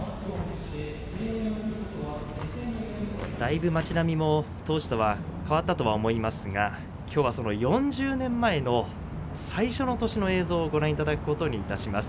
だいぶ町並みも当時とは変わったとは思いますがきょうは、その４０年前の最初の年の映像をご覧いただくことにします。